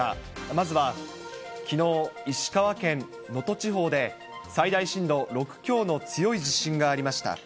まずはきのう石川県能登地方で、最大震度６強の強い地震がありました。